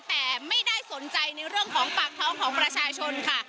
แต่ไม่ได้สนใจในเรื่องของปากท้องของประชาชนค่ะ